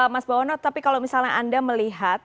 mas bawono tapi kalau misalnya anda melihat